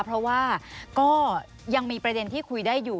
เพราะว่าก็ยังมีประเด็นที่คุยได้อยู่